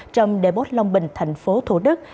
trong depot long bình thành phố thủ đức